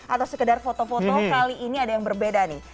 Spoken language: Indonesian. atau sekedar foto foto kali ini ada yang berbeda nih